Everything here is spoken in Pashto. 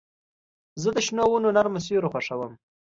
زه د شنو ونو نرمه سیوري خوښوم.